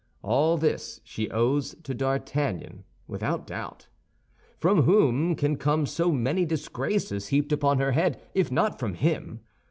All this she owes to D'Artagnan, without doubt. From whom can come so many disgraces heaped upon her head, if not from him?